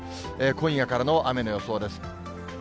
今夜からの雨の予想です。